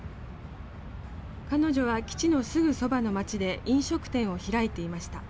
彼女は基地のすぐそばの街で飲食店を開いていました。